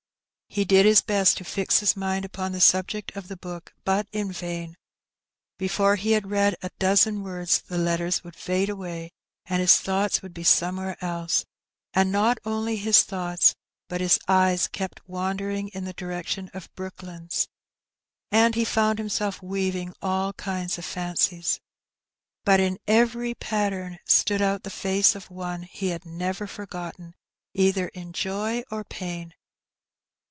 He did his best to fix his mind upon the subject of the book, but in vain : before he had read a dozen words the letters would fade away, and his thoughts would be some where else; and not only his thoughts, but his eyes kept wandering in the direction of Brooklands, and he found himself weaving all kinds of fancies. But in every pattern stood out the face of one he had never forgotten either in joy or pain.